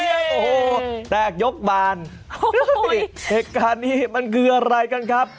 โอ้โหแตกยกบานเหตุการณ์นี้มันคืออะไรกันครับ